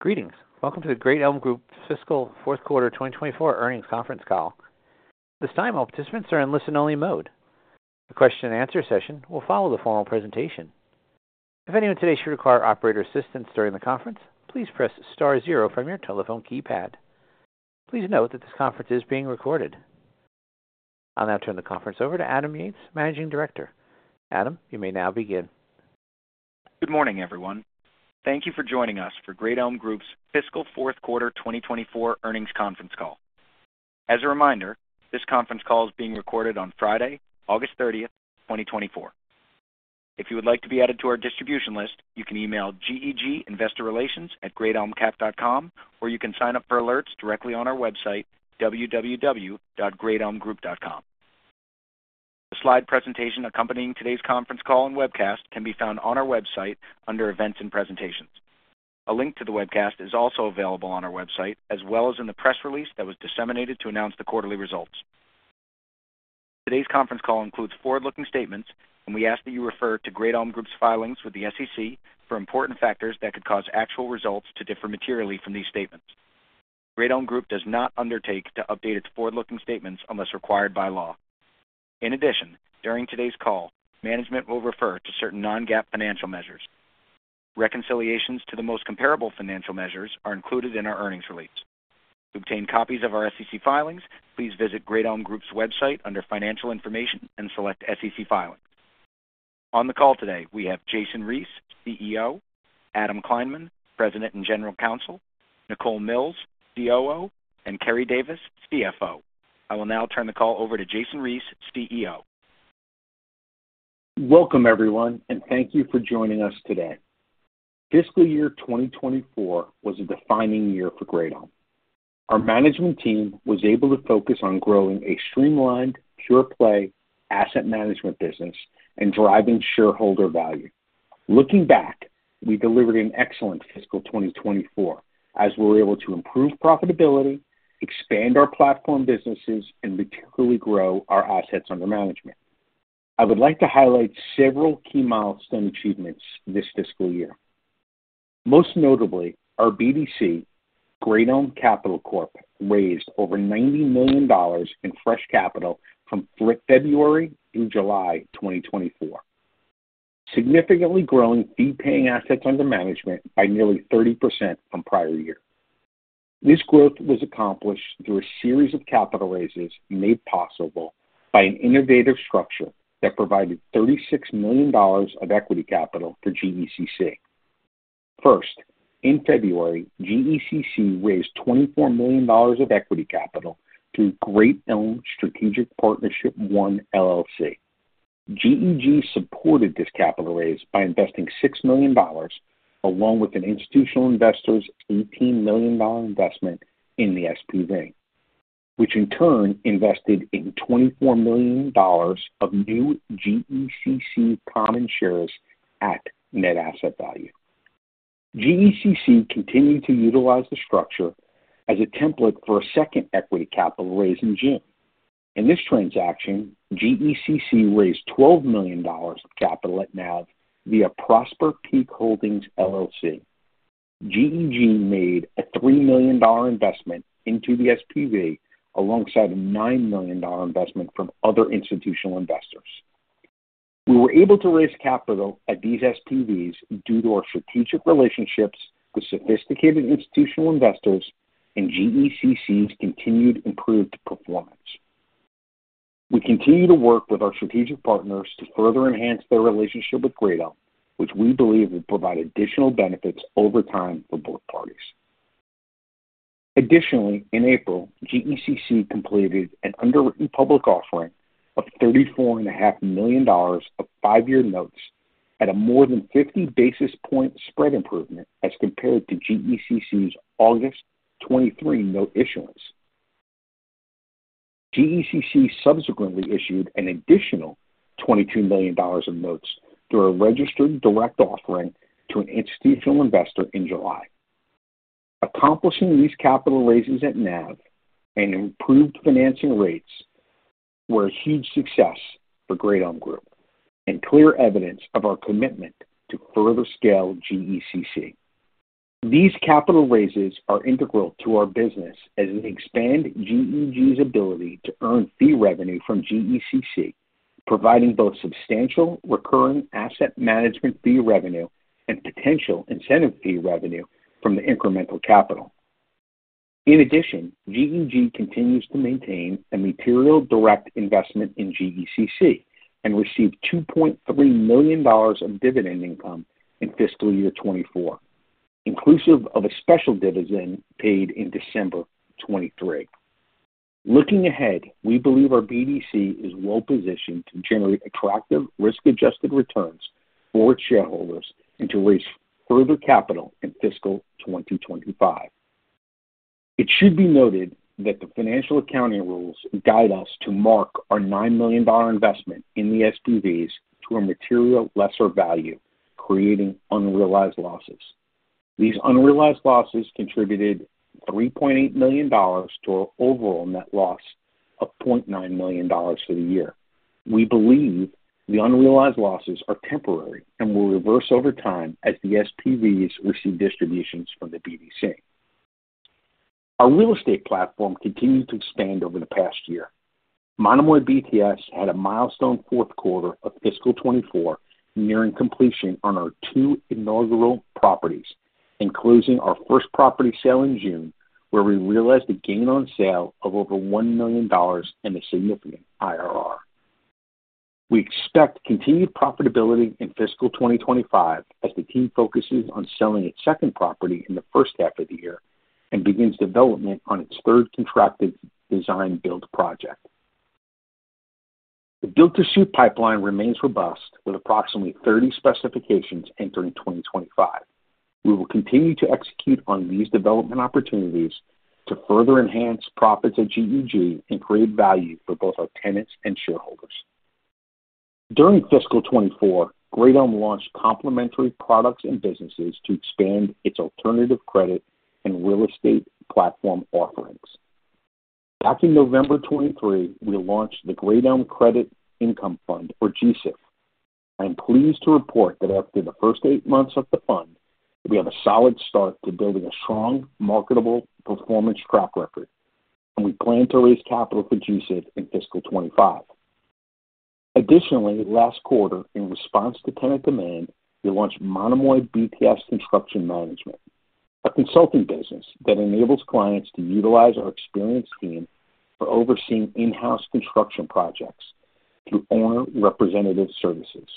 Greetings! Welcome to the Great Elm Group Fiscal Fourth Quarter twenty twenty-four Earnings Conference Call. At this time, all participants are in listen-only mode. The question and answer session will follow the formal presentation. If anyone today should require operator assistance during the conference, please press star zero from your telephone keypad. Please note that this conference is being recorded. I'll now turn the conference over to Adam Yates, Managing Director. Adam, you may now begin. Good morning, everyone. Thank you for joining us for Great Elm Group's Fiscal Fourth Quarter 2024 earnings conference call. As a reminder, this conference call is being recorded on Friday, 30th August, 2024. If you would like to be added to our distribution list, you can email GEGinvestorrelations@greatelmcap.com, or you can sign up for alerts directly on our website, www.greatelmgroup.com. The slide presentation accompanying today's conference call and webcast can be found on our website under Events and Presentations. A link to the webcast is also available on our website, as well as in the press release that was disseminated to announce the quarterly results. Today's conference call includes forward-looking statements, and we ask that you refer to Great Elm Group's filings with the SEC for important factors that could cause actual results to differ materially from these statements. Great Elm Group does not undertake to update its forward-looking statements unless required by law. In addition, during today's call, management will refer to certain non-GAAP financial measures. Reconciliations to the most comparable financial measures are included in our earnings release. To obtain copies of our SEC filings, please visit Great Elm Group's website under Financial Information and select SEC Filings. On the call today, we have Jason Reese, CEO, Adam Kleinman, President and General Counsel, Nicole Mills, COO, and Keri Davis, CFO. I will now turn the call over to Jason Reese, CEO. Welcome, everyone, and thank you for joining us today. Fiscal year 2024 was a defining year for Great Elm. Our management team was able to focus on growing a streamlined, pure-play asset management business and driving shareholder value. Looking back, we delivered an excellent fiscal 2024, as we were able to improve profitability, expand our platform businesses, and materially grow our assets under management. I would like to highlight several key milestone achievements this fiscal year. Most notably, our BDC, Great Elm Capital Corp, raised over $90 million in fresh capital from February through July 2024, significantly growing fee-paying assets under management by nearly 30% from prior year. This growth was accomplished through a series of capital raises made possible by an innovative structure that provided $36 million of equity capital to GECC. First, in February, GECC raised $24 million of equity capital through Great Elm Strategic Partnership I, LLC. GEG supported this capital raise by investing $6 million, along with an institutional investor's $18 million dollar investment in the SPV, which in turn invested in $24 million of new GECC common shares at net asset value. GECC continued to utilize the structure as a template for a second equity capital raise in June. In this transaction, GECC raised $12 million of capital at NAV via Prosper Peak Holdings, LLC. GEG made a $3 million dollar investment into the SPV, alongside a $9 million dollar investment from other institutional investors. We were able to raise capital at these SPVs due to our strategic relationships with sophisticated institutional investors and GECC's continued improved performance. We continue to work with our strategic partners to further enhance their relationship with Great Elm, which we believe will provide additional benefits over time for both parties. Additionally, in April, GECC completed an underwritten public offering of $34.5 million of five-year notes at a more than 50 basis points spread improvement as compared to GECC's August 2023 note issuance. GECC subsequently issued an additional $22 million of notes through a registered direct offering to an institutional investor in July. Accomplishing these capital raises at NAV and improved financing rates were a huge success for Great Elm Group and clear evidence of our commitment to further scale GECC. These capital raises are integral to our business as they expand GEG's ability to earn fee revenue from GECC, providing both substantial recurring asset management fee revenue and potential incentive fee revenue from the incremental capital. In addition, GEG continues to maintain a material direct investment in GECC and received $2.3 million of dividend income in fiscal year 2024, inclusive of a special dividend paid in December 2023. Looking ahead, we believe our BDC is well positioned to generate attractive, risk-adjusted returns for its shareholders and to raise further capital in fiscal year 2025. It should be noted that the financial accounting rules guide us to mark our $9 million dollar investment in the SPVs to a material lesser value, creating unrealized losses. These unrealized losses contributed $3.8 million to our overall net loss of $0.9 million for the year. We believe the unrealized losses are temporary and will reverse over time as the SPVs receive distributions from the BDC. Our real estate platform continued to expand over the past year. Monomoy BTS had a milestone fourth quarter of fiscal 2024, nearing completion on our two inaugural properties, including our first property sale in June, where we realized a gain on sale of over $1 million and a significant IRR. We expect continued profitability in fiscal 2025 as the team focuses on selling its second property in the first half of the year and begins development on its third contracted design-build project. The build-to-suit pipeline remains robust, with approximately 30 specifications entering 2025. We will continue to execute on these development opportunities to further enhance profits at GEG and create value for both our tenants and shareholders. During fiscal 2024, Great Elm launched complementary products and businesses to expand its alternative credit and real estate platform offerings. Back in November 2023, we launched the Great Elm Credit Income Fund, or GCIF. I am pleased to report that after the first eight months of the fund, we have a solid start to building a strong, marketable performance track record, and we plan to raise capital for GCIF in fiscal 2025. Additionally, last quarter, in response to tenant demand, we launched Monomoy BTS Construction Management, a consulting business that enables clients to utilize our experienced team for overseeing in-house construction projects through owner representative services.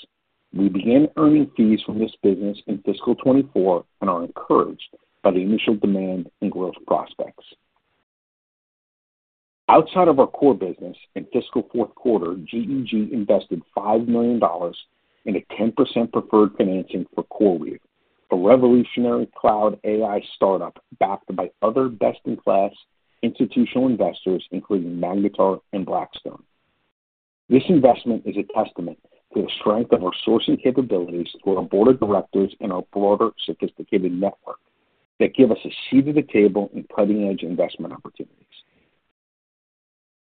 We began earning fees from this business in fiscal 2024 and are encouraged by the initial demand and growth prospects. Outside of our core business, in fiscal fourth quarter, GEG invested $5 million in a 10% preferred financing for CoreWeave, a revolutionary cloud AI startup backed by other best-in-class institutional investors, including Magnetar and Blackstone. This investment is a testament to the strength of our sourcing capabilities for our board of directors and our broader, sophisticated network that give us a seat at the table in cutting-edge investment opportunities.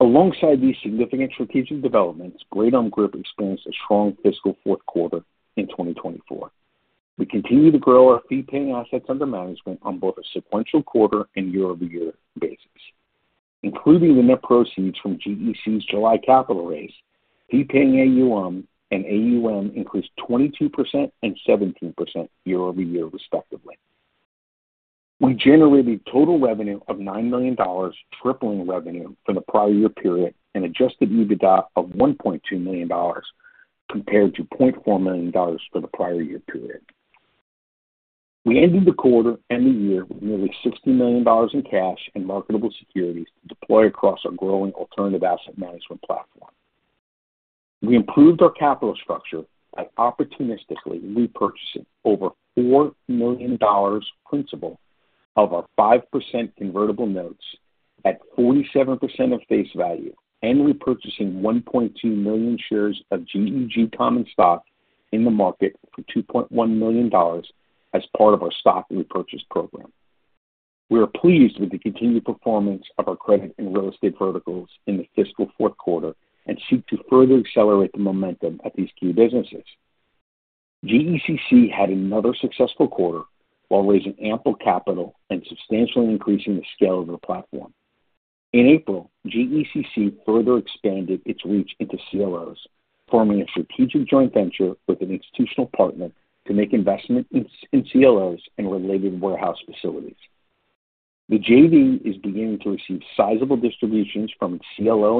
Alongside these significant strategic developments, Great Elm Group experienced a strong fiscal fourth quarter in twenty twenty-four. We continue to grow our fee-paying assets under management on both a sequential quarter and year-over-year basis. Including the net proceeds from GECC's July capital raise, fee-paying AUM and AUM increased 22% and 17% year-over-year, respectively. We generated total revenue of $9 million, tripling revenue from the prior year period, and adjusted EBITDA of $1.2 million, compared to $0.4 million for the prior year period. We ended the quarter and the year with nearly $60 million in cash and marketable securities to deploy across our growing alternative asset management platform. We improved our capital structure by opportunistically repurchasing over $4 million principal of our 5% convertible notes at 47% of face value and repurchasing 1.2 million shares of GEG common stock in the market for $2.1 million as part of our stock repurchase program. We are pleased with the continued performance of our credit and real estate verticals in the fiscal fourth quarter and seek to further accelerate the momentum at these key businesses. GECC had another successful quarter while raising ample capital and substantially increasing the scale of their platform. In April, GECC further expanded its reach into CLOs, forming a strategic joint venture with an institutional partner to make investments in CLOs and related warehouse facilities. The JV is beginning to receive sizable distributions from its CLO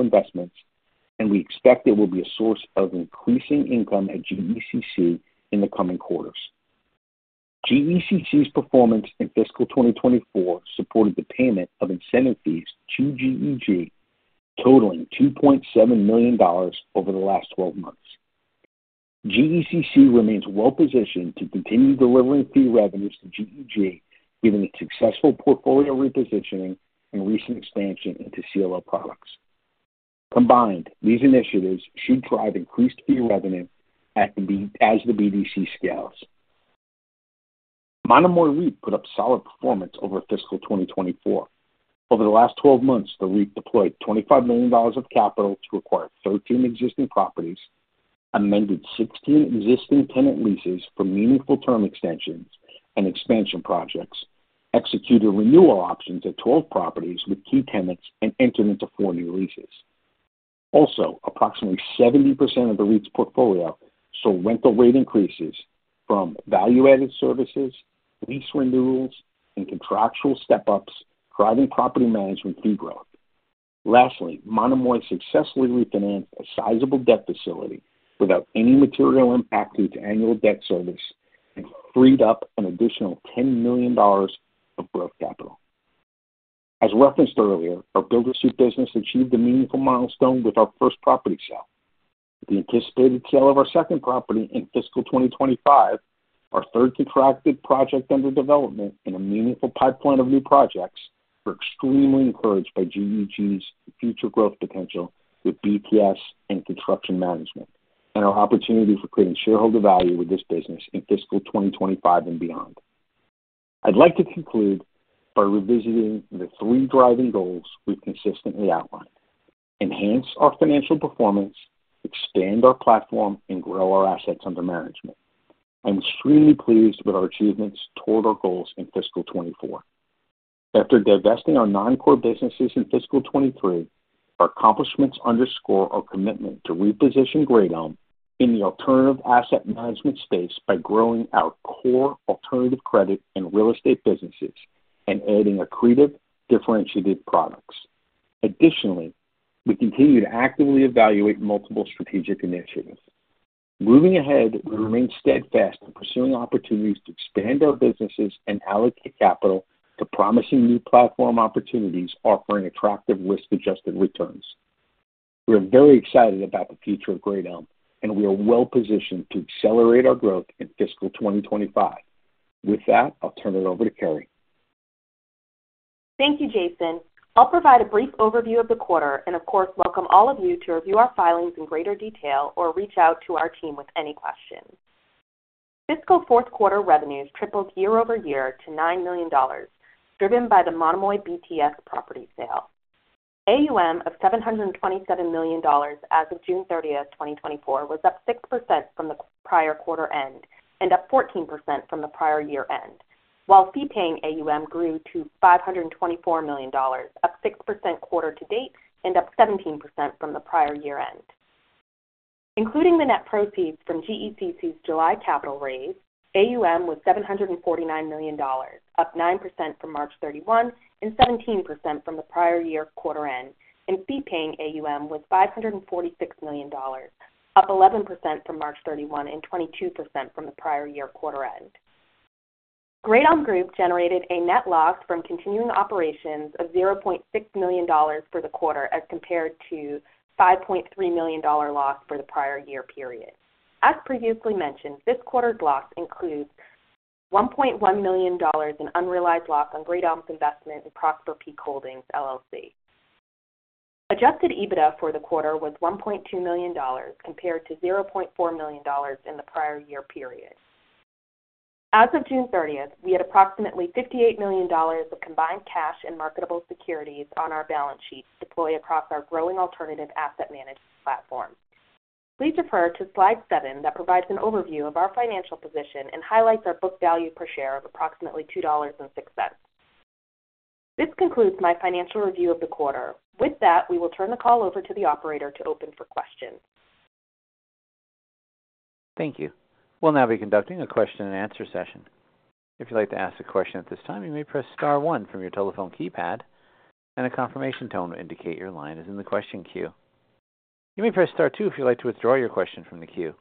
investments, and we expect it will be a source of increasing income at GECC in the coming quarters. GECC's performance in fiscal 2024 supported the payment of incentive fees to GEG, totaling $2.7 million over the last 12 months. GECC remains well positioned to continue delivering fee revenues to GEG, given its successful portfolio repositioning and recent expansion into CLO products. Combined, these initiatives should drive increased fee revenue at the BDC as the BDC scales. Monomoy REIT put up solid performance over fiscal 2024. Over the last 12 months, the REIT deployed $25 million of capital to acquire 13 existing properties, amended 16 existing tenant leases for meaningful term extensions and expansion projects, executed renewal options at 12 properties with key tenants, and entered into 4 new leases. Also, approximately 70% of the REIT's portfolio saw rental rate increases from value-added services, lease renewals, and contractual step-ups, driving property management fee growth. Lastly, Monomoy successfully refinanced a sizable debt facility without any material impact to its annual debt service and freed up an additional $10 million of growth capital. As referenced earlier, our build-to-suit business achieved a meaningful milestone with our first property sale. The anticipated sale of our second property in fiscal 2025, our third contracted project under development, and a meaningful pipeline of new projects were extremely encouraged by GEG's future growth potential with BTS and construction management, and our opportunity for creating shareholder value with this business in fiscal 2025 and beyond. I'd like to conclude by revisiting the three driving goals we've consistently outlined, enhance our financial performance, expand our platform, and grow our assets under management. I'm extremely pleased with our achievements toward our goals in fiscal 2024. After divesting our non-core businesses in fiscal 2023, our accomplishments underscore our commitment to reposition Great Elm in the alternative asset management space by growing our core alternative credit and real estate businesses and adding accretive, differentiated products. Additionally, we continue to actively evaluate multiple strategic initiatives. Moving ahead, we remain steadfast in pursuing opportunities to expand our businesses and allocate capital to promising new platform opportunities offering attractive risk-adjusted returns. We are very excited about the future of Great Elm, and we are well-positioned to accelerate our growth in fiscal 2025. With that, I'll turn it over to Keri. Thank you, Jason. I'll provide a brief overview of the quarter and, of course, welcome all of you to review our filings in greater detail or reach out to our team with any questions. Fiscal fourth quarter revenues tripled year over year to $9 million, driven by the Monomoy BTS property sale. AUM of $727 million as of 30th June, 2024, was up 6% from the prior quarter end and up 14% from the prior year end, while fee-paying AUM grew to $524 million, up 6% quarter to date and up 17% from the prior year end. Including the net proceeds from GECC's July capital raise, AUM was $749 million, up 9% from March 31 and 17% from the prior year quarter end, and fee-paying AUM was $546 million, up 11% from March 31 and 22% from the prior year quarter end. Great Elm Group generated a net loss from continuing operations of $0.6 million for the quarter, as compared to $5.3 million dollars loss for the prior year period. As previously mentioned, this quarter's loss includes $1.1 million in unrealized loss on Great Elm's investment in Prosper Peak Holdings, LLC. Adjusted EBITDA for the quarter was $1.2 million, compared to $0.4 million in the prior year period. As of 30th June, we had approximately $58 million of combined cash and marketable securities on our balance sheet deployed across our growing alternative asset management platform. Please refer to slide seven that provides an overview of our financial position and highlights our book value per share of approximately $2.06. This concludes my financial review of the quarter. With that, we will turn the call over to the operator to open for questions. Thank you. We'll now be conducting a question-and-answer session. If you'd like to ask a question at this time, you may press star one from your telephone keypad, and a confirmation tone will indicate your line is in the question queue. You may press star two if you'd like to withdraw your question from the queue.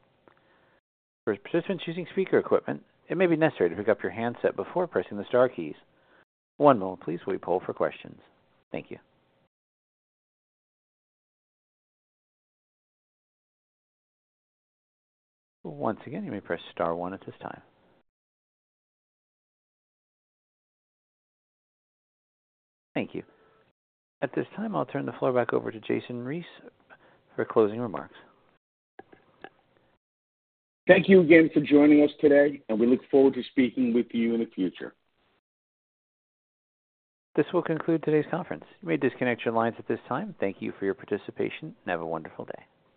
For participants using speaker equipment, it may be necessary to pick up your handset before pressing the star keys. One moment, please, while we poll for questions. Thank you. Once again, you may press star one at this time. Thank you. At this time, I'll turn the floor back over to Jason Reese for closing remarks. Thank you again for joining us today, and we look forward to speaking with you in the future. This will conclude today's conference. You may disconnect your lines at this time. Thank you for your participation, and have a wonderful day.